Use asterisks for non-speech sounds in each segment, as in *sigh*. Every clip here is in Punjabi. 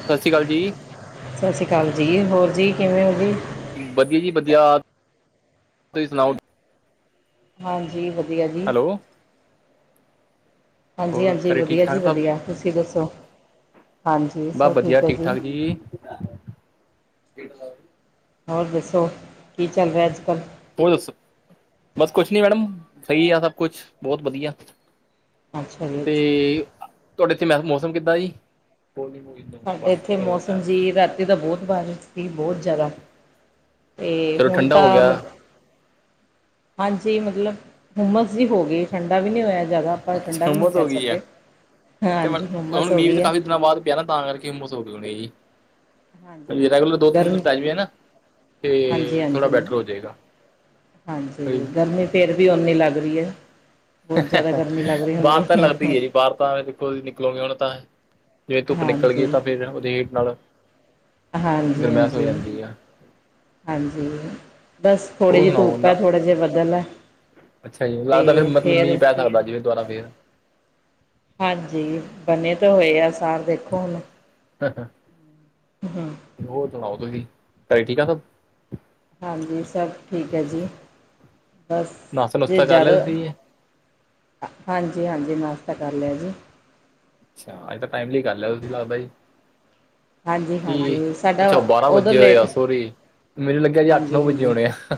ਸਤਿ ਸ਼੍ਰੀ ਅਕਾਲ ਜੀ। ਸਤਿ ਸ਼੍ਰੀ ਅਕਾਲ ਜੀ। ਹੋਰ ਜੀ ਕਿਵੇਂ ਹੋ ਜੀ? ਵਧੀਆ ਜੀ ਵਧੀਆ, ਤੁਸੀਂ ਸੁਣਾਓ ਹਾਂਜੀ ਵਧੀਆ ਜੀ। ਹੈਲੋ ਹੋਰ ਹਾਂਜੀ-ਹਾਂਜੀ, ਘਰੇ ਠੀਕ ਵਧੀਆ ਜੀ ਠਾਕ ਸਭ ਵਧੀਆ ਤੁਸੀਂ ਦੱਸੋ। ਹਾਂਜੀ, ਬਸ ਸਭ ਵਧੀਆ ਠੀਕ ਹੈ ਜੀ। ਠਾਕ ਹੋਰ ਦੱਸੋ, ਕੀ ਚੱਲ ਰਿਹਾ ਅੱਜ ਕੱਲ੍ਹ ਹੋਰ ਦੱਸੋ, ਬਸ ਕੁਛ ਨੀ ਮੈਡਮ ਸਹੀ ਆ ਸਭ ਕੁਛ ਬਹੁਤ ਵਧੀਆ। ਅੱਛਾ ਜੀ ਅੱਛਾ ਤੇ, ਤੁਹਾਡੇ ਇੱਥੇ ਮੈ ਮੌਸਮ ਕਿੱਦਾਂ ਜੀ? ਸਾਡੇ ਇੱਥੇ ਮੌਸਮ ਜੀ ਰਾਤੀ ਤਾਂ ਬਹੁਤ ਬਾਰਿਸ਼ ਸੀ ਬਹੁਤ ਜ਼ਿਆਦਾ। ਤੇ, ਚਲੋ ਹੁਣ ਠੰਡਾ ਹੋ ਤਾਂ ਗਿਆ ਮ ਹਾਂਜੀ ਮਤਲਬ ਹੁੰਮਸ ਜੀ ਹੋ ਗਈ ਠੰਡਾ ਵੀ ਨੀ ਹੋਇਆ। ਜ਼ਿਆਦਾ ਆਪਾਂ ਠੰਡਾ ਅੱਛਾ ਵੀ ਨੀ ਹੁਮਸ ਖਾ ਹੋ ਗਈ ਆ ਸਕਦੇ ਹਾਂਜੀ ਹੁੰਮਸ ਹੋ ਗਈ ਐ ਪ ਨਾ ਤਾਂ ਕਰਕੇ ਮੌਸਮ‌ ਹੋਣਾ ਹਾਂਜੀ ਜੀ ਰੈਗੂਲਰ ਹਾਂਜੀ ਦੋ ਤਿੰਨ ਗਰਮ ਦਿਨ ਨਾ। ਹਾਂਜੀ ਅਤੇ ਥੋੜ੍ਹਾ ਹਾਂਜੀ ਬੈਟਰ ਹੋ ਜਾਏਗਾ। ਹਾਂਜੀ ਗਰਮੀ ਫੇਰ ਵੀ ਓਨੀ ਲੱਗ ਰਹੀ ਐ। ਬਾ ਤਾਂ ਲੱਗਦੀ ਐ ਜੀ। ਬਾਹਰ ਤਾਂ ਦੇਖੋ ਨਿਕਲੋਂਗੇ ਹੁਣ ਤਾਂ ਜਿਵੇਂ ਧੁੱਪ ਨਿਕਲ ਗੀ ਹਾਂਜੀ ਤਾਂ ਫੇਰ ਉਦੇ ਨਾਲ ਗਰਮੈਸ਼ ਹੋ ਹਾਂਜੀ-ਹਾਂਜੀ। ਜਾਂਦੀ ਆ ਹਾਂਜੀ ਬਸ ਥੋੜ੍ਹੀ ਹੋਰ ਜਿਹੀ ਸੁਣਾਓ ਧੁੱਪ ਨਾ ਐਥੋੜਾ ਜਾ ਬੱਦਲ ਐ। ਅੱਛਾ ਜੀ ਲੱਗਦਾ ਫੇਰ ਮਤਲਬ ਮੀਂਹ ਪੈਣ ਵਾਲਾ ਅੱਜ ਵੀ ਦੁਬਾਰਾ ਫੇਰ। ਹਾਂਜੀ ਬਣੇੇ ਤਾਂ ਹੋਏ ਆ ਸਾਰੇ ਦੇਖੋ ਹੁਣ ਹਾਂ-ਹਾਂ। ਹੂੰ। ਹੋਰ ਸੁਣਾਓ ਤੁਸੀਂ ਘਰੇ ਠੀਕ ਆ ਸਭ ਹਾਂਜੀ ਸਭ ਠੀਕ ਐ, ਜੀ ਬਸ ਨਾਸ਼ਤਾ ਜੇ ਨੁਸ਼ਤਾ ਕਰ ਲਿਆ ਜ਼ਿਆਦਾ ਤੁਸੀਂ ਹਾਂਜੀ-ਹਾਂਜੀ ਮਸ਼ਤਾ ਕਰ ਲਿਆ ਜੀ ਅੱਛਾ, ਅੱਜ ਤਾਂ ਟਾਈਮਲੀ ਗੱਲ ਐ ਤੁਸੀਂ ਲਾਦਾ ਜੀ। ਹਾਂਜੀ ਕੀ ਹਾਂਜੀ ਸਾਡਾ ਅੱਛਾ ਬਾਰਾਂ ਉਦੋਂ ਵਜੇ ਹੋਏ ਲੇਟ ਆ ਸੌਰੀ ਮੈਨੂੰ ਲੱਗਿਆ ਜੀ ਅੱਠ ਨੌ ਵਜੇ ਹੋਣੇ ਆ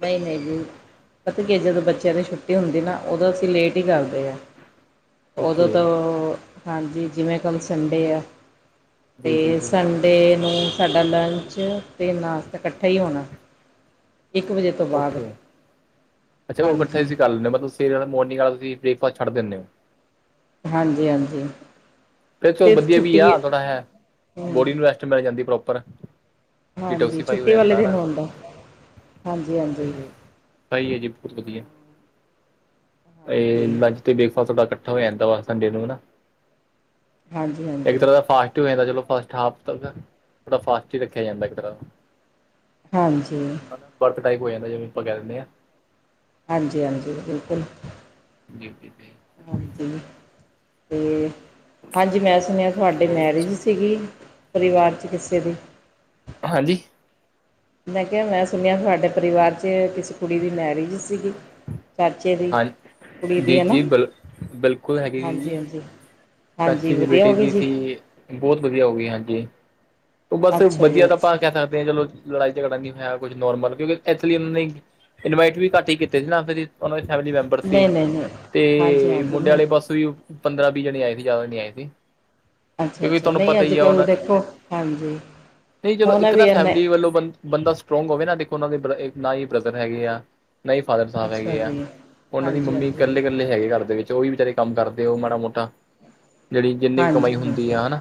ਨਈ-ਨਈ ਜੀ। ਪਤਾ ਕੀ ਜਦੋਂ ਬੱਚਿਆਂ ਦੀ ਛੁੱਟੀ ਹੁੰਦੀ ਨਾ ਓਦੋਂ ਅਸੀਂ ਲੇਟ ਈ ਕਰਦੇ ਆ। ਉਦੋਂ ਓਕੇ ਤੋਂ ਹਾਂਜੀ ਜਿਵੇਂ ਕੰਮ ਸੰਡੇ ਆ। ਜੀ ਜੀ ਤੇ ਜੀ ਸੰਡੇ ਨੂੰ ਸਾਡਾ ਲੰਚ ਤੇ ਨਾਸ਼ਤਾ ਇਕੱਠਾ ਹੋਣਾ ਇੱਕ ਵਜੇ। ਤੋਂ ਬਾਅਦ ਓਕੇ ਅੱਛਾ ਉਹ ਇਕੱਠੇ ਹਾਂਜੀ ਤੁਸੀਂ ਕਰ ਲੈਂਦੇ ਹੋ। ਮਤਲਬ ਸਵੇਰੇ ਵਾਲਾ ਮੋਰਨਿੰਗ ਵਾਲਾ ਤੁਸੀਂ ਬ੍ਰੇਕਫਾਸਟ ਛੱਡ ਦਿੰਦੇ ਓ ਹਾਂਜੀ-ਹਾਂਜੀ। ਫ ਚ ਵਧੀਆ ਵੀ ਆ ਥੋੜ੍ਹਾ ਹੈ, ਹਮ ਬੋਡੀ ਨੂੰ ਵੈਸਟ ਮਿਲ ਜਾਂਦੀ ਪ੍ਰੋਪਰ। ਡੀ ਹਾਂਜੀ ਟੋਕਸੀ ਪਾਈ ਹੋਏ ਛੁੱਟੀ ਵਾਲੇ ਦਿਨ ਆ। ਹੁੰਦਾ ਹਾਂਜੀ ਹਾਂਜੀ ਸਹੀ ਏ ਜੀ ਬਹੁਤ ਵਧੀਆ, ਹਜੇ ਹਾਂਜੀ ਲੰਚ ਤੇ ਬ੍ਰੇਕਫਾਸਟ ਤੁਹਾਡਾ ਕੱਠਾ ਹੋ ਜਾਂਦਾ ਵਾ ਸੰਡੇ ਨੂੰ ਨਾ। ਹਾਂਜੀ ਇੱਕ ਹਾਂਜੀ ਤਰ੍ਹਾਂ ਦਾ ਫਾਸਟ ਹੀ ਹੋ ਜਾਂਦਾ ਚਲੋ ਫਸਟ ਹਾਫ ਤੱਕ ਥੋੜਾ ਫਾਸਟ ਹੀ ਰੱਖਿਆ ਜਾਂਦਾ ਇੱਕ ਤਰ੍ਹਾਂ ਹਾਂਜੀ ਦਾ। ਬਰਤ ਟਾਈਪ ਹੋ ਜਾਂਦਾ ਜਿਵੇਂ ਆਪਾਂ ਕਹਿ ਦਿੰਦੇ ਹਾਂ। ਹਾਂਜੀ-ਹਾਂਜੀ, ਬਿਲਕੁਲ। ਡਿਊਟੀ ਤੇ। ਹਾਂਜੀ ਤੇ। ਹਾਂਜੀ, ਮੈਂ ਸੁਣਿਆ ਤੁਹਾਡੇ ਮੈਰਿਜ ਸੀਗੀ ਪਰਿਵਾਰ ਚ ਕਿਸੇ ਦੀ। ਹਾਂਜੀ। ਮੈਂ ਕਿਹਾ ਮੈਂ ਸੁਣਿਆ ਤੁਹਾਡੇ ਪਰਿਵਾਰ ਚ ਕਿਸੇ ਕੁੜੀ ਦੀ ਮੈਰਿਜ ਸੀਗੀ। ਚਾਚੇ ਦੀ ਹਾਂਜੀ ਕੁੜੀ ਦੀ ਜੀ ਹੈਨਾ, ਜੀ ਬਿਲ ਬਿਲਕੁਲ ਹੈਗੀ ਸੀ ਜੀ ਹਾਂਜੀ-ਹਾਂਜੀ। ਚਾਚੀ ਦੀ ਬੇਟੀ ਦੀ ਸੀ, ਬਹੁਤ ਵਧੀਆ ਹੋ ਗਈ ਹਾਂਜੀ। ਬਸ ਅੱਛਾ ਜੀ ਵਧੀਆ ਤਾਂ ਆਪਾਂ ਅੱਛਾ ਕਹਿ ਸਕਦੇ ਹਾਂ ਚਲੋ ਲੜਾਈ ਝਗੜਾ ਨਹੀਂ ਹੋਇਆ, ਕੁਛ ਨੋਰਮਲ ਕਿਉਂਕਿ ਇਥਲੀ ਉਹਨਾਂ ਨੇ- ਇਨਵਾਈਟ ਵੀ ਘੱਟ ਹੀ ਕੀਤੇ ਸੀ ਨਾ ਫੇਰ ਉਹਨਾਂ ਦੇ ਫੈਮਿਲੀ ਮੈਂਬਰ ਸੀ ਨਹੀਂ ਨਹੀਂ ਨਹੀਂ ਹਾਂਜੀ ਤੇ ਹਾਂਜੀ ਮੁੰਡੇ ਨਹੀਂ ਵਾਲੇ ਬਸ। ਤੁਸੀਂ ਪੰਦਰਾਂ-ਵੀਹ ਜਣੇ ਆਏ ਸੀ, ਜ਼ਿਆਦਾ ਜਣੇ ਆਏ ਸੀ। ਕਿਉਂਕਿ ਅੱਛਾ-ਅੱਛਾ, ਤੁਹਾਨੂੰ ਨੀ ਪਤਾ ਹੀ ਅੱਜ-ਕੱਲ ਦੇਖੋ ਹਾਂਜੀ। ਨਈ ਜਦੋਂ ਹੁਣ ਇੱਕ ਵੀ ਨਾ ਇਨਾ ਫੈਮਿਲੀ ਵੱਲੋਂ ਬ ਬੰਦਾ ਸਟਰੋਂਗ ਹੋਵੇ ਨਾ, ਦੇਖੋ ਉਹਨਾਂ ਦੇ ਨਾ ਹੀ ਬ੍ਰਦਰ ਹੈਗੇ ਆ ਨਾ ਹੀ ਫਾਦਰ ਸਾਹਿਬ ਅੱਛਾ ਹੈਗੇ ਆ, ਜੀ ਉਹਨਾਂ ਦੀ ਹਾਂਜੀ ਮੰਮੀ ਹਾਂਜੀ ਕੱਲੇ-ਕੱਲੇ ਹੈਗੇ ਘਰ ਦੇ ਵਿੱਚ ਉ ਵੀ ਵਿਚਚਾਰੇ ਕੰਮ ਕਰਦੇ ਹੋ ਮਾੜਾ ਮੋਟਾ, ਜਿਹੜੀ ਜਿੰਨੀ ਵੀ ਕਮਾਈ ਹਾਂਜੀ ਹੁੰਦੀ ਹਾਂਜੀ ਆ ਹਨਾ,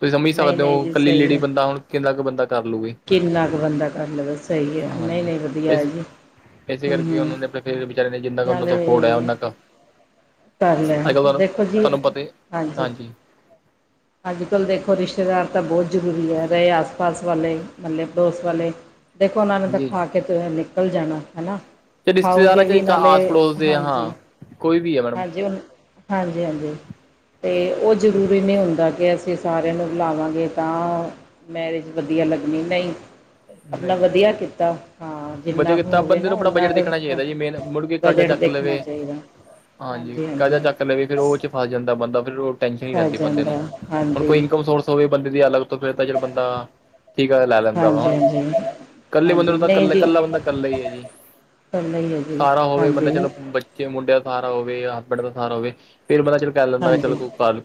ਤੁਸੀਂ ਸਮਝ ਨਹੀਂ ਸਕਦੇ ਨਹੀਂ ਹੋ ਜੀ ਤੇ ਸਹੀ ਲੇਡੀ ਹੈ ਬੰਦਾ ਹੁਣ ਕਿੰਨਾ ਕੁ ਬੰਦਾ ਕਰ ਲੂਗੀ। ਕਿੰਨਾ ਕੁ ਬੰਦਾ ਕਰ ਲਵੇ ਸਹੀ ਏ, ਹਾਂਜੀ ਨਈ-ਨਈ ਵਧੀਆ ਇਸ ਜੀ। ਇਸੇ ਹੂੰ ਕਰਕੇ ਹੂੰ ਉਹਨਾਂ ਦੇ ਆਪਣੇ ਫੇਰ ਵਿਚਾਰੇ ਨੇ ਜਿੰਨਾ ਕੁ ਉਹਨਾਂ ਦਾ ਸਪੋਰਟਇਆ ਨਾਲੇ ਉਹਨਾਂ ਕੁ ਕਰ ਲੈਣ ਅੱਜ-ਕੱਲ ਦੇਖੋ ਜੀ ਤੁਹਾਨੂੰ ਪਤਾ ਹੀ ਹਾਂਜੀ। ਅੱਜ-ਕੱਲ੍ਹ ਦੇਖੋ ਰਿਸ਼ਤੇਦਾਰ ਤਾਂ ਬਹੁਤ ਜ਼ਰੂਰੀ ਐ। ਰਹੇ ਆਸ-ਪਾਸ ਵਾਲੇ ਮਹੱਲੇ ਪੜੋਸ ਵਾਲੇ ਦੇਖੋ ਉਹਨਾਂ ਨੂੰ ਤਾਂ ਜੀ ਖਾ ਕੇ ਨਿਕਲ ਜਾਣਾ ਹੈਨਾ। ਤੇ ਰਿਸ਼ਤੇਦਾਰਾਂ ਖਾਊਗੇ ਚ ਵੀ ਇੱਕ ਨਾਲੇ, ਆਸ ਪੜੋਸ ਦੇ ਹਾਂ ਕੋਈ ਵੀ ਹੈ ਮੈਡਮ ਹਾਂਜੀ-ਹਾਂਜੀ ਹ ਹਾਂਜੀ-ਹਾਂਜੀ ਤੇ ਉਹ ਜ਼ਰੂਰੀ ਨਈ ਹੁ ਦਾਂ ਕਿ ਅਸੀਂ ਸਾਰਿਆਂ ਨੂੰ ਬੁਲਾਵਾਂਗੇ ਤਾਂ ਮੈਰਿਜ ਵਧੀਆ ਲੱਗਣੀ, ਨਈ ਆਪਣਾ ਨਹੀਂ ਜੀ ਵਧੀਆ ਕੀਤਾ, ਹਾਂ ਵਧੀਆ ਜਿੰਨਾ ਕੁ ਕੀਤਾ ਹੋਵੇ ਬੰਦੇ ਨਾ ਨੂੰ ਆਪਣਾ ਓਨਾ ਬਜਟ ਕੁ ਦੇਖਣਾ ਚਾਹੀਦਾ ਜੀ ਮੇਨ ਮੁੜ ਕੇ ਕਰਜ਼ਾ ਬਜਟ ਚੱਕ ਦੇਖਣਾ ਲਵੇ ਚਾਹੀਦਾ। ਹਾਂਜੀ ਕਾਜ਼ਾ ਚੱਕ ਲਵੇ ਫਿਰ ਉਹ ਚ ਫਸ ਜਾਂਦਾ, ਬੰਦਾ ਫਿਰ ਉਹ ਟੈਨਸ਼ਨ ਹੀ ਪੈ ਰਹਿੰਦੀ ਬੰਦੇ ਨੂੰ ਜਾਂਦਾ ਹੁਣ ਹਾਂਜੀ ਕੋਈ ਇਨਕਮ ਸੋਰਸ ਹੋਵੇ ਬੰਦੇ ਦੀ ਅਲਗ ਤੋਂ ਫਿਰ ਜ ਬੰਦਾ ਠੀਕ ਆ ਲੈ ਲੈਂਦਾ ਵਾ ਹਾਂਜੀ ਹੁਣ ਹਾਂਜੀ। ਕੱਲੇ ਬੰਦੇ ਹਾਂਜੀ ਨੂੰ ਤਾਂ ਨਹੀਂ ਜੀ ਕੱਲਾ-ਕੱਲਾ ਬੰਦਾ ਕੱਲਾ ਹੀ ਹੈ ਜੀ ਕਰਨਾ ਹੀ ਹੈ ਜੀ ਸਾਰਾ ਹੋਵੇ ਬੰਦਾ ਹਾਂਜੀ ਚਲੋ ਜੇ ਮੁੰਡਿਆਂ ਦਾ ਸਾਰਾ ਹੋਵੇ ਜਾਂ ਹਸਬੈਂਡ ਦਾ ਸਹਾਰਾ ਹੋਵੇ ਫਿਰ ਬੰਦਾ ਚਲ ਕਰ ਲੈਂਦਾ ਚਲੋ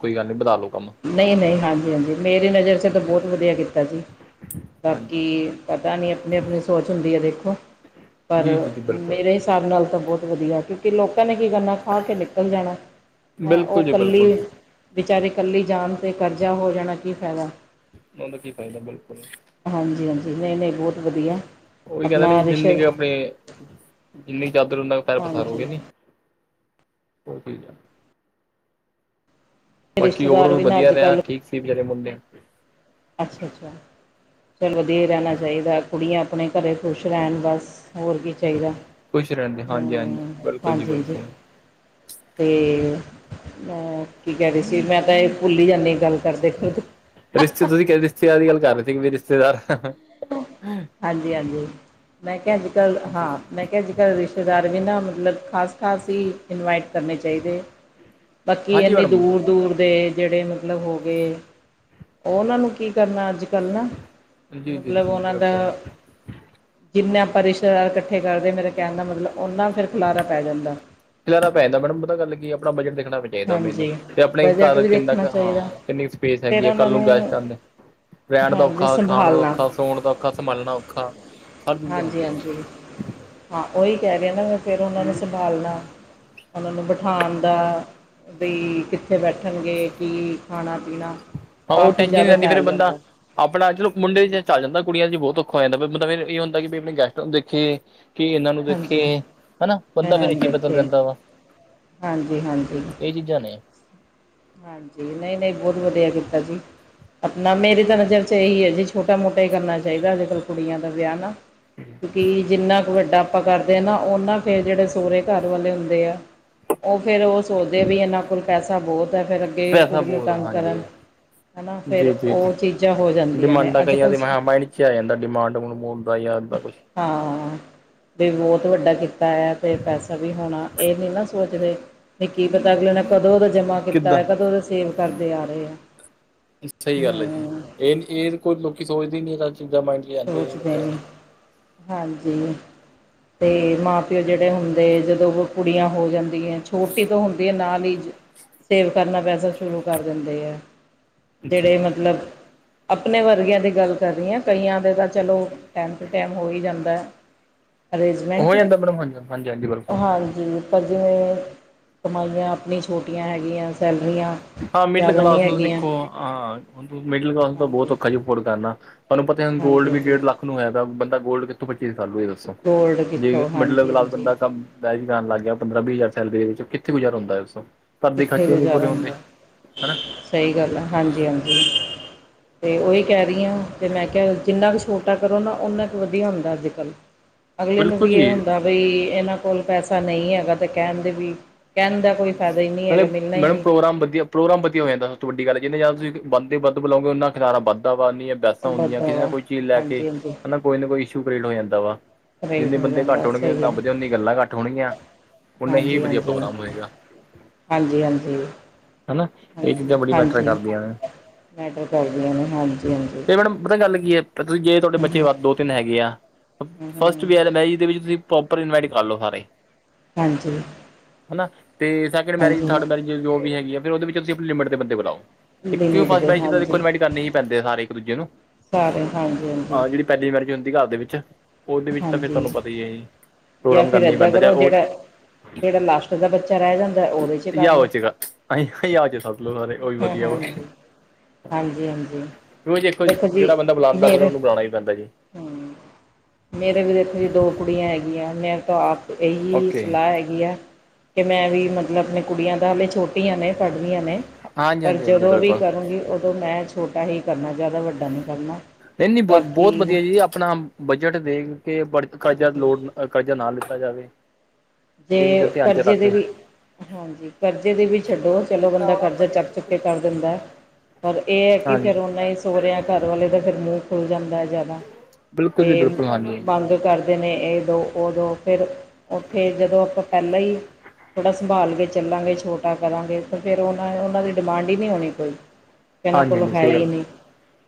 ਕੋਈ ਗੱਲ ਨੀ ਵਧਾ ਲੋ ਨਈ-ਨਈ, ਹਾਂਜੀ-ਹਾਂਜੀ ਮੇਰੀ ਨਜ਼ਰ ਚ ਤਾਂ ਬਹੁਤ ਵਧੀਆ ਕੀਤਾ ਜੀ ਬਾਕੀ ਹਾਂਜੀ ਪਤਾ ਨੀ ਆਪਣੀ-ਆਪਣੀ ਸੋਚ ਹੁੰਦੀ ਹੈ ਦੇਖੋ ਪਰ ਜੀ ਜੀ ਜੀ ਬਿਲਕੁਲ ਮੇਰੇ ਹਿਸਾਬ ਨਾਲ ਤਾਂ ਬਹੁਤ ਵਧੀਆ ਕਿ ਲੋਕਾਂ ਨੇ ਕੀ ਕਰਨਾ ਖਾ ਕੇ ਨਿਕਲ ਜਾਣਾ, ਹੈਂ ਉਹ ਬਿਲਕੁਲ ਜੀ ਬਿਲਕੁਲ ਕੱਲੀ ਵਿਚਾਰੀ ਕੱਲੀ ਜਾਣ ਤੇ ਕਰਜ਼ਾ ਹੋ ਜਾਣਾ ਕੀ ਫਾਇਦਾ ਉਹ ਦਾ ਕੀ ਫਾਇਦਾ ਬਿਲਕੁਲ। ਹਾਂਜੀ-ਹਾਂਜੀ, ਨਈ-ਨਈ ਬਹੁਤ ਵਧੀਆ। ਉਹੀ ਕਹਿੰਦਾ ਆਪਣਾ ਨੀ ਜਿੰਨੀ ਰਿਸ਼ਤੇ ਕਿ ਆਪਣੀ ਜਿੰਨੀ ਚਾਦਰ ਉਹਨਾਂ ਕੁ ਪੈਰ ਹਾਂਜੀ ਪਸਾਰੋਗੇ ਨੀ। ਠੀਕ ਐ, ਬਾਕੀ ਹੋਰ ਰਿਸ਼ਤੇਦਾਰ ਵੀ ਨਾ ਵਧੀਆ ਅੱਜ ਰਿਹਾ ਠੀਕ ਦੀਪ ਜ ਮੁੰਦੇ ਅੱਛਾ-ਅੱਛਾ, ਚੱਲ ਵਧੀਆ ਰਹਿਣਾ ਚਾਹੀਦਾ ਕੁੜੀਆਂ ਆਪਣੇ ਘਰੇ ਖੁਸ਼ ਰਹਿਣ ਬਸ ਹੋਰ ਕੀ ਚਾਹੀਦਾ। ਖੁਸ਼ ਰਹਿੰਦੇ, ਹਾਂਜੀ-ਹਾਂਜੀ ਹਮ ਬਿਲਕੁਲ ਜੀ ਹਾਂਜੀ ਹਾਂਜੀ ਬਿਲਕੁਲ। ਤੇ ਕੀ ਅ ਕਹਿ ਰਹੇ ਸੀ ਮੈਂ ਤਾਂ ਇਹ ਭੁੱਲ ਹੀ ਜਾਂਦੀ ਗੱਲ ਕਰਦੇ-ਕਰਦੇ ਰਿਸ਼ਤੇ ਤੁਸੀਂ ਕਦੇ ਰਿਸ਼ਤੇਦਾਰ ਦੀ ਗੱਲ ਰਹੇ ਸੀ ਕਿ ਵੀ ਰਿਸ਼ਤੇਦਾਰ। ਹਾਂਜੀ- ਹਾਂਜੀ। ਮੈਂ ਕਿਹਾ ਅੱਜ ਕੱਲ ਜੀ ਹਾਂ, ਮੈਂ ਕਿਹਾ ਅੱਜ ਕੱਲ ਰਿਸ਼ਤੇਦਾਰ ਵੀ ਨਾ ਮਤਲਬ ਖ਼ਾਸ- ਖ਼ਾਸ ਹੀ। ਇਨਵਾਈਟ ਕਰਨੇ ਚਾਹੀਦੇ, ਬਾਕੀ ਹਾਂਜੀ ਇੰਨੀ ਮੈਡਮ ਦੂਰ- ਦੂਰ ਦੇ ਜਿਹੜੇ ਮਤਲਬ ਹੋ ਗਏ ਉਹਨਾਂ ਨੂੰ ਕੀ ਕਰਨਾ ਅੱਜ ਕੱਲ ਨਾ, ਜੀ ਜੀ ਮਤਲਬ ਜੀ ਉਹਨਾਂ ਨੇ। *inaudible* ਜਿੰਨੇ ਆਪਾਂ ਰਿਸ਼ਤੇਦਾਰ ਇਕੱਠੇ ਕਰਦੇ, ਮੇਰਾ ਕਹਿਣ ਦਾ ਮਤਲਬ ਓਨਾ ਫੇਰ ਖਿਲਾਰਾ ਪੈ ਜਾਂਦਾ ਹੈ। ਖਿਲਾਰਾ ਪੈਂ ਜਾਂਦਾ ਪਰ ਪਤਾ ਗੱਲ ਕੀ ਆਂ, ਆਪਣਾ ਬਜਟ ਦੇਖਣਾ। ਚਾਹੀਦਾ ਮੈਨੂੰ, ਹਾਂਜੀ ਤੇ ਆਪਣੇ ਬਜਟ ਘਰ ਵੀ ਕਿੰਨਾ ਦੇਖਣਾ ਕੁ ਹਾਂ ਚਾਹੀਦਾ ਕਿੰਨੀ ਸਪੇਸ ਫਿਰ ਹੈਗੀ ਆ। ਉਹਨਾਂ ਕੱਲ ਨੂੰ ਗੈਸਟ ਆਉਂਦੇ। ਰਹਿਣ ਦਾ ਹਾਂਜੀ ਔਖਾ, ਖਾਣ ਦਾ ਸੰਭਾਲਣਾ ਔਖਾ, ਸੌਣ ਦਾ ਔਖਾ, ਸੰਭਾਲਣਾ ਔਖਾ ਸਭ ਚੀਜ਼ਾਂ ਹਾਂਜੀ ਹੁੰਦੀਆਂ ਨੇ। ਹਾਂਜੀ ਹੂੰ। *inaudible* ਹਾਂ ਉਹੀ ਕਹਿ ਰਹੀ ਹਾਂ ਨਾ। ਮੈਂ ਫੇਰ ਉਹਨਾਂ ਨੂੰ ਸੰਭਾਲਣਾ, ਉਹਨਾਂ ਨੂੰ ਬਿਠਾਉਣ ਦਾ। ਬਈ ਕਿੱਥੇ ਬੈਠਣਗੇ, ਕੀ ਖਾਣਾ ਪੀਣਾ ਹਾਂ ਉਹ ਕਾਫੀ ਟੈਂਸ਼ਨ ਹੀ ਜ਼ਿਆਦਾ ਰਹਿੰਦੀ, ਫੇਰ ਫੈਲ ਬੰਦਾ ਜਾਂਦਾ ਆਪਣਾ ਚਲੋ ਮੁੰਡੇ ਦਾ ਚੱਲ ਜਾਂਦਾ। ਕੁੜੀਆਂ ਚ ਬਹੁਤ ਔਖਾ ਹੋ ਜਾਂਦਾ। ਮਤਲਬ ਫੇਰ ਇਹ ਹੁੰਦਾ ਕਿ ਵੀ ਆਪਣੇ ਗੈਸਟ ਨੂੰ ਵਿਚੇ। ਕਿ ਇਹਨਾਂ ਨੂੰ ਹਾਂਜੀ ਦੇਖਿਐ ਹਨਾ, ਬੰਦਾ ਫੇਰ ਇਹਨਾਂ ਨੂੰ ਇੱਥੇ ਬਦਲ ਦੇਖੇ ਰਹਦਾ ਵਾ। ਹਾਂਜੀ- ਹਾਂਜੀ। ਇਹ ਚੀਜ਼ਾਂ ਨੇ। ਹਾਂਜੀ, ਨਹੀਂ- ਨਹੀਂ ਬਹੁਤ ਵਧੀਆ ਕੀਤਾ ਜੀ। ਆਪਣਾ ਮੇਰੀ ਤਾਂ ਨਜ਼ਰ ਚ ਇਹੀ ਹੈ, ਜੀ ਛੋਟਾ ਮੋਟਾ ਹੀ ਕਰਨਾ ਚਾਹੀਦਾ ਅੱਜ ਕੱਲ ਕੁੜੀਆਂ ਦਾ ਵਿਆਹ ਨਾ। ਕਿਉਕਿ ਜਿੰਨਾ ਕੁ ਵੱਡਾ ਆਪਾਂ ਕਰਦੇ ਹਾਂ ਨਾ, ਓਨਾ ਫੇਰ ਜਿਹੜੇ ਸੋਹੁਰੇ ਘਰ ਵਾਲੇ ਹੁੰਦੇ ਆ। ਉਹ ਫੇਰ ਉਹ ਸੋਚਦੇ ਵੀ ਇਹਨਾਂ ਕੋਲ ਪੈਸਾ ਬਹੁਤ। ਹੈ ਫਿਰ ਅੱਗੇ ਪੈਸਾ ਕੁੜੀ ਨੂੰ ਬੋਤ ਆ ਤੰਗ ਹਾਂਜੀ। ਕਰਨ ਹਨਾ ਫਿਰ ਜੀ, ਜੀ, ਜੀ। ਉਹ ਚੀਜ਼ਾਂ ਹੋ ਜਾਂਦੀਆਂ ਨੇ ਡਿਮਾਂਡਾਂ ਅੱਜ ਕਈਆਂ ਕੱਲ੍ਹ ਤੇ ਮੈਂ। ਪਿੱਛੇ ਆ ਜਾਂਦਾ ਡਿਮਾਂਡ ਹੁਣ ਮੋਡਦਾ ਜਾਂ ਇਦਾਂ ਕੁਛ। ਹਾਂ, ਵੀ ਬਹੁਤ ਵੱਡਾ ਕੀਤਾ ਤੇ ਪੈਸਾ ਵੀ ਹੋਣਾ। ਇਹ ਨੀ ਨਾ ਸੋਚਦੇ, ਵੀ ਕੀ ਪਤਾ ਅਗਲੇ ਨੇ ਕਦੋਂ ਜਮਾ ਕੀਤਾ ਹੋਇਆ। ਕਿੱਦਾਂ ਕਦੋਂ ਦੇ ਸੇਵ ਕਰਦੇ ਆ ਰਹੇ ਆ, ਸਹੀ ਗੱਲ ਹੈ ਹੂੰ। ਜੀ ਇਹ ਕੋਈ ਲੋਕੀ ਸੋਚਦੇ ਹੀ ਨੀ ਇਹ, ਚੀਜ਼ਾਂ ਮਾਇੰਡ ਚ ਆਉਂਦੀਆਂ ਸੋਚਦੇ ਬੰਦਿਆਂ ਨਹੀਂ, ਹਾਂਜੀ ਤੇ ਮਾਂ ਤੇ ਜਿਹੜੇ ਹੁੰਦੇ, ਜਦੋਂ ਔ ਕੁੜੀਆਂ ਹੋ ਜਾਂਦੀਆਂ ਵੋਟੀ ਤੋਂ ਹੁੰਦੀ ਹੈ ਨਾਲ ਹੀ, ਸੇਵ ਕਰਨਾ ਪੈਸਾ ਸ਼ੁਰੂ ਕਰ ਦਿੰਦੇ ਹੈ। ਦੇ ਜਿਹੜੇ ਮਤਲਬ, ਆਪਣੇ ਵਰਗਿਆਂ ਦੀ ਗੱਲ ਕਰ ਰਹੀ ਹਾ। ਕਈਆਂ ਤਾਂ ਚਲੋ ਟਾਈਮ ਟੂ ਟਾਈਮ ਹੋ ਹੀ ਜਾਂਦਾ ਆ। ਅਰੇਂਜਮੈਂਟ, ਹੋ ਜਾਂਦਾ ਮੈਡਮ ਹਾਂਜੀ ਹਾਂਜੀ ਹਾਂਜੀ ਬਿਲਕੁਲ ਹਾਂਜੀ। ਪਰ ਜਿਵੇਂ ਕਮਾਈਆਂ, ਆਪਨੀ ਛੋਟੀਆਂ ਹੈਗੀਆਂ ਸੈਲਰੀਆਂ। ਹਾਂ ਮਿਡਲ ਜ਼ਿਆਦਾ ਨਹੀਂ ਕਲਾਸ ਨੂੰ ਤਾਂ ਹੈਗੀਆਂ ਦੇਖੋ। ਹਾਂ ਮਿਡਲ ਕਲਾਸ ਨੂੰ ਤਾਂ ਬਹੁਤ ਹਾਂਜੀ ਔਖਾ ਜ ਅਫੋਢ ਕਰਨਾ। ਤੁਹਾਨੂੰ ਪਤਾ ਹੁਨ ਗੌਲਡ ਹਾਂਜੀ ਵੀ ਹਾਂਜੀ ਡੇਢ ਲੱਖ ਨੂੰ ਹੈਗਾ। ਬੰਦਾ ਗੋਲਡ ਪੱਚੀ ਸਾਲ *unintelligible* ਹੋਏ ਦੱਸੋ ਗੋਲਡ ਜੇ ਕਿੱਥੋਂ ਮਿਡਲ ਹਾਂਜੀ ਕਲਾਸ ਹਾਂਜੀ ਬੰਦਾ ਕੰਮ ਦਾਜ ਹੀ ਬਨਾਨ ਲਗ ਗਿਆ। ਪੰਦਰਾਂ, ਵੀਹ ਹਜ਼ਾਰ ਸੈਲਰੀ ਦੇ ਵਿੱਚ ਕਿਥੇ ਗੁਜਾਰਾ ਹੁੰਦਾ ਹੈ ਦਸੋ, ਘਰਦੇ ਕਿੱਥੇ ਖਰਚੇ ਨੀ ਗੁਜ਼ਾਰਾ ਪੂਰੇ ਹੁੰਦੇ। ਹੁੰਦਾ ਹਨਾ ਸਹੀ ਗੱਲ ਆ, ਹਾਂਜੀ- ਹਾਂਜੀ। ਅਤੇ ਉਹੀ ਕਹਿ ਰਹੀ ਹਾਂ, ਅਤੇ ਮੈਂ ਕਿਹਾ ਜਿੰਨਾ ਕੁ ਛੋਟਾ ਕਰੋ ਨਾ ਉਨਾ ਕੁ ਵਧੀਆ ਹੁੰਦਾ ਅੱਜ ਕੱਲ। *inaudible* ਅਗਲੇ ਨੂੰ ਵੀ ਇਹ ਜੀ ਹੁੰਦਾ ਬਈ, ਇਹਨਾਂ ਕੋਲ ਪੈਸਾ ਨਹੀਂ ਹੈਗਾ। ਤੇ ਕਹਿਣ ਦੇ ਵੀ ਕਹਿਣ ਦਾ ਕੋਈ ਫਾਇ ਮ ਮੈਡਮ ਪ੍ਰੋਗਰਾਮ ਵਧੀਆ ਪ੍ਰੋਗਰਾ ਵਧੀਆ ਹੋ ਜਾਂਦਾ, ਸਭ ਤੋਂ ਵੱਡੀ ਗੱਲ ਹੈ ਤੇ ਜਿਨੇ ਜਾਦਾ ਤੁਸੀ ਬਦੇੰ ਵਧ ਬੁਲਾਉਗੇ, ਊਨਾ ਜਾਦਾ ਖਿਲਾਰਾ ਵਧ ਜਾਦਾੰ। ਬੈਸਾਂ ਹੁੰਦੀਆਂ ਵੱਧਦਾ ਕਿਸੇ ਨਾ ਵਾ ਕੋਈ ਚੀਜ਼ ਲੈ ਕੇ ਹਾਂਜੀ ਹਾਂਜੀ ਹੈਨਾ, ਕੋਈ ਨਾ ਕੋਈ ਇਸ਼ੂ ਕਰ੍ਰੀਏਟ ਹੋ ਜਾਂਦਾ ਵਾ। ਰੇਟ ਜਿੰਨੇ ਹੋ ਬੰਦੇ ਘੱਟ ਜਾਂਦਾ ਹੋਣਗੇ, ਸਹੀ ਉਨਾ ਹੈ ਵਧਿਆ, ੳਨੀ ਗੱਲਾਂ ਘੱਟ ਹੋਣਗੀਆਂ। ਔਨਾ ਹੀ ਹਾਂਜੀ ਵਧੀਆ ਹਾਂਜੀ ਪ੍ਰੋਗਰਾਮ ਹੋਏਗਾ। ਹਾਂਜੀ- ਹਾਂਜੀ। ਹਨਾ ਇਹ ਚੀਜ਼ਾਂ ਹਾਂਜੀ ਬੜੀ ਮੈਟਰ ਹਾਂਜੀ ਕਰਦੀਆਂ ਨੇ ਮੈਟਰ ਕਰਦੀਆਂ ਨੇ। ਹਾਂਜੀ ਹਾਂਜੀ। ਤੇ ਮੈਡਮ ਪਤਾ ਗੱਲ ਕੀ ਹੈ ਤੁਸੀਂ ਜੇਤੁਹਾਡੇ ਹੂੰ ਬੱਚੇ ਵਾ ਦੋ, ਤਿੰਨ ਹੈਗੇ ਆ। ਹੂੰ ਹੂੰ ਫਸਟ ਹੂੰ ਵਿਆਹ, ਮੈਰਿਜ ਦੇ ਵਿੱਚ ਤੁਸੀ ਪ੍ਰੋਪਰ ਇਨਵਾਈਟ ਕਰ ਲੋ ਸਾਰੇ ਹਾਂਜੀ। ਹੈਨਾ, ਤੇ ਸੈਕਿੰਡ ਮੈਰਿਜ, ਹਾਂਜੀ ਥਰਡ ਮੈਰਿਜ ਜੋ ਵੀ ਹੈਗੀ ਆ। ਫਿਰ ਉਹਦੇ ਵਿੱਚ ਤੁਸੀਂ ਅਪਣੀ ਲਿਮਿਟ ਦੇ ਬੰਦੇ ਬੁਲਾਓ। ਕਿਉਂ ਲਿਮਿਟ ਫਸਟ ਦੇ ਮੈਰਿਜ ਚ ਦੇਖੋ ਹਾਂਜੀ ਇਨਵਾਈਟ ਕਰਨੇ ਹੀ ਪੈਂਦੇ ਆ। ਸਾਰੇ ਇੱਕ ਦੂਜੇ ਨੂੰ ਸਾਰੇ ਹਾਂਜੀ ਹਾਂਜੀ ਹਾਂ ਜਿਹੜੀ ਪਹਿਲੀ ਲੜਕੀ ਹੁੰਦੀ ਘਰ ਦੇ ਵਿੱਚ ਉਹਦੇ ਵਿੱਚ ਤਾਂ ਫਿਰ ਹਾਂਜੀ ਤੁਹਾਨੂੰ ਪਤਾ ਹੀ ਹੈ ਜੀ। ਜਾਂ ਪ੍ਰੋਗਰਾਮ ਫਿਰ ਕਰਨਾ ਹੀ ਪੈਂਦਾ ਚਾਹੇ ਉਹ ਕੱਲਾ ਬੱਚਾ ਰਹਿ ਜਾਂਦਾ। ਉਹ ਵੀ ਵਿਆਹ ਹੋ ਜੇਗਾ। ਅਹੀ ਵਿਆਹ ਚ ਸਬ ਲੋਗ ਆ ਰਹੇ। ਉਹ ਵੀ ਵਧੀਆ ਵਾ। ਹਾਂਜੀ ਹਾਂਜੀ ਹਾਂਜੀ ਕਿ ਦੇਖੋ ਜੀ ਜਿਹੜਾ ਬੰਦਾ ਬੁਲਾਉਂਦਾ। ਫਿਰ ਉਹਨੂੰ ਬੁਲਾਉਣਾ ਵੀ ਪੈਂਦਾ ਜੀ। ਹਮ ਮੇਰੇ ਵੀ ਇਥੋ ਦੀ ਦੋ ਕੁੜੀਆਂ ਹੈਗੀਆਂ। ਮੇਰੇ ਤਾਂ ਆਪ ਇਹੀ ਓਕੇ ਸਲਾਹ ਹੈਗੀ ਕਿ ਆ ਮੈਂ ਵੀ ਮਤਲਬ ਅਪਨੀ ਕੁੜੀਆਂ ਦਾ। ਹਾਲੇ ਛੋਟੀਆਂ ਨੇ ਪੜਦੀਆਂ ਨੇ। ਹਾਂਜੀ ਪਰ ਹਾਂਜੀ ਹਾਂਜੀ ਜਦੋਂ ਵੀ ਬਿਲਕੁਲ ਕਰੂੰਗੀ। ਉਦੋਂ ਮੈਂ ਛੋਟਾ ਹੀ ਕਰਨਾ। ਜ਼ਿਆਦਾ ਵੱਡਾ ਨੀ ਕਰਨਾ। ਨਹੀਂ ਨਹੀਂ ਬ ਤਾਂ ਕਿ ਬਹੁਤ ਵਧੀਆ ਜੀ। ਅਪਣਾ ਬਜਟ ਦੇਖ ਕੇ ਪਰ ਕਰਜ਼ਾ ਹਾਂਜੀ ਲੋੜ ਕਰਜ਼ਾ ਨਾ ਲਿੱਤਾ ਜਾਵੇ। ਤੇ ਇਹ ਚੀਜ਼ਾਂ ਧਿਆਨ 'ਚ ਕਰਜ਼ੇ ਰੱਖ ਦੇ ਕੇ ਵੀ। ਹਾਂਜੀ ਕਰਜ਼ੇ ਦੇ ਵੀ ਛੱਡੋ। ਚਲੋ ਬੰਦਾ ਕਰਜ਼ਾ ਚੱਕ ਚੁੱਕ ਕੇ ਕਰ ਦਿੰਦਾ। ਪਰ ਇਹ ਹੈ। ਕਿ ਹਾਂਜੀ ਫਿਰ ਉਹਨਾ ਹੀ ਸੋਹਰਿਆਂ ਘਰ ਵਾਲੇ ਦਾ ਫਿਰ ਮੂੰਹ ਖੁੱਲ ਜਾਂਦਾ ਐ। ਬਿਲਕੁਲ ਜੀ ਤੇ ਬਿਲਕੁਲ ਹਾਂਜੀ ਬੰਦ ਕਰਦੇ ਨੇ। ਇਹ ਦੋ ਉਹ ਦੋ ਫਿਰ ਫੇਰ ਜਦੋਂ ਆਪਾਂ ਪਹਿਲਾਂ ਹੀ। ਥੋੜਾ ਸੰਭਾਲ ਚ ਚੱਲਾਂਗੇ। ਛੋਟਾ ਕਰਾਂਗੇ ਤੇ ਫੇਰ ਉਹਨਾਂ। ਉਹਨਾਂ ਦੀ ਡਿਮਾਂਡ ਹੀ ਨਹੀਂ ਹੋਣੀ। ਕੋਈ ਇਹ ਇਹਨਾਂ ਹਾਂਜੀ ਕੋਲ ਹਾਂਜੀ ਹੈ ਸਹੀ ਹੀ ਗੱਲ ਨਹੀਂ।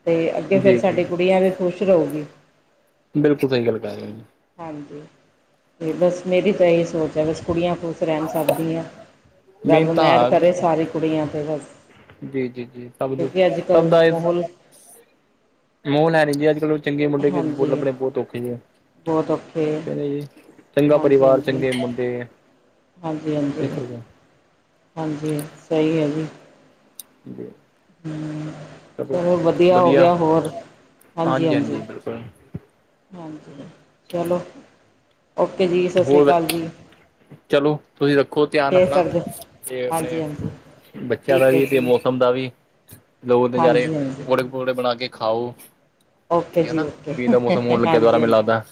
ਤੇ ਅੱਗੇ ਫੇਰ ਜੀ ਜੀ ਸਾਡੀ ਕੁੜੀਆਂ ਵੀ ਖੁਸ਼ ਰਹੋਗੀ। ਬਿਲਕੁਲ ਸਹੀ ਗੱਲ ਕਿਹ ਰਹੇ ਓ ਜੀ। ਹਾਂਜੀ। ਤੇ ਬਸ ਮੇਰੀ ਤਾਂ ਇਹ ਹੀ ਸੋਚ ਐ। ਬਸ ਕੁੜੀਆਂ ਖੁਸ਼ ਰਹਿਣ ਸਭ ਦੀਆਂ। ਰੱਬ ਮੇਨ ਤਾਂ ਮਹਿਰ ਕਰੇ ਹਾਂ ਸਾਰੀ ਕੁੜੀਆਂ ਤੇ ਬਸ। ਜੀ ਜੀ ਜੀ ਸਭਦੀ ਕਿਉਂਕਿ ਅੱਜ ਸਭ ਕੱਲ੍ਹ ਦਾ। ਇਸ ਮਾਹੌਲ ਮਹੋਲ ਹੈ ਨੀ ਜੀ ਅੱਜਕਲ ਚੰਗੇ ਮੁੰਡੇ ਵੀ ਲੱਭਣੇ ਵੀ ਅਗੋਂ ਹਾਂਜੀ ਲੱਭਣੇ ਬਹੁਤ ਔਖੇ ਜੀ। ਬਹੁਤ ਔਖੇ ਕਹਿੰਦੇ ਜੀ। ਚੰਗਾ ਹਾਂਜੀ ਪਰਿਵਾਰ ਹਾਂਜੀ ਚੰਗੇ ਮੁੰਡੇ ਹਾਂਜੀ ਹਾਂਜੀ। ਇਸ ਕਰਕੇ ਹਾਂਜੀ ਸਹੀ ਆਂ ਜੀ। *unintelligible* ਹਮ ਹੈਲੋ ਚਲੋ ਹੋ ਵਧੀਆ। ਗਿਆ ਹੋਰ ਹਾਂਜੀ ਹਾਂਜੀ ਬਿਲਕੁਲ। ਹਾਂਜੀ ਚਲੋ ਔਕੇ ਜੀ। ਸਤਿ ਸ਼੍ਰੀ ਹੋਰ ਅਕਾਲ ਜੀ। ਚਲੋ ਤੁਸੀਂ ਰੱਖੋ ਧਿਆਨ ਫੇਰ ਅਪਣਾ ਕਰਦੇ ਤੇ ਫੇਰ ਹਾਂਜੀ ਹਾਂਜੀ ਫੇਰ ਬੱਚਿਆਂ ਦਾ ਠੀਕ ਹੈ ਵੀ ਤੇ ਜੀ ਮੌਸਮ ਦਾ ਵੀ ਲੋ ਨਜ਼ਾਰੇ। ਹਾਂਜੀ ਹਾਂਜੀ ਪਕੋੜੇ ਬਣਾ ਕੇ ਖਾਓ। ਓਕੇ ਕੀ ਹੈ ਜੀ ਨਾ। ਓਕੇ ਵੀ ਮੀਂਹ ਦਾ ਮੌਸਮ ਹੋਣ ਲੱਗਿਆ ਦੁਬਾਰਾ ਹਾਂਜੀ ਮੈਂਨੂੰ ਹਾਂਜੀ ਲੱਗਦਾ।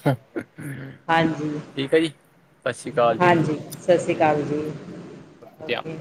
ਹਾਂਜੀ ਠੀਕ ਹੈ ਜੀ ਸਤਿ ਸ਼੍ਰੀ ਅਕਾਲ ਜੀ ਹਾਂਜੀ, ਸਤਿ ਸ਼੍ਰੀ ਓਕੇ ਅਕਾਲ ਜੀ। ਧਿਆਨ ਔਕੇ